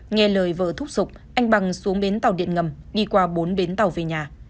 nghe lời vợ thúc giục anh bằng xuống bến tàu điện ngầm đi qua bốn bến tàu về nhà